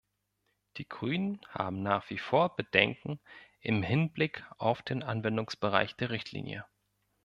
Die Grünen haben nach wie vor Bedenken im Hinblick auf den Anwendungsbereich der Richtlinie.